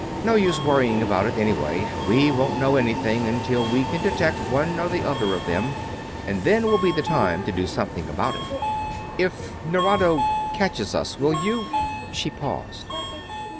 No use worrying about it, anyway. We won't know anything until we can detect one or the other of them, and then will be the time to do something about it." "If Nerado catches us, will you...." She paused.